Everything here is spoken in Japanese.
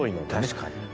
確かに。